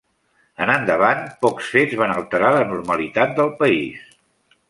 En endavant pocs fets van alterar la normalitat del país.